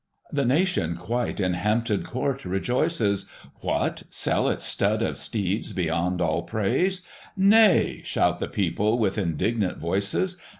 VII. The nation quite in Hampton Court rejoices, What ! sell its stud of steeds beyond all praise ! Nay, shout the people with indignant voices.